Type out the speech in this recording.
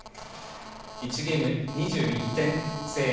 １ゲーム２１点制。